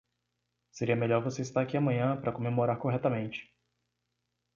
Seria melhor você estar aqui amanhã para comemorar corretamente.